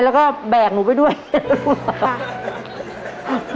แล้วก็แบกหนูไปด้วยค่ะ